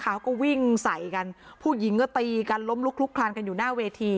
เขาก็วิ่งใส่กันผู้หญิงก็ตีกันล้มลุกลุกคลานกันอยู่หน้าเวที